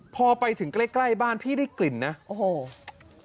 พอไปถึงใกล้ใกล้บ้านพี่ได้กลิ่นนะโอ้โห